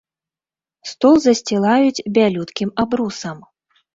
Стол засцілаюць бялюткім абрусам.